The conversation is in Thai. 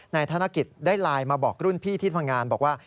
ธนกิจได้ไลน์มาบอกรุ่นพี่ที่ทำงานบอกว่า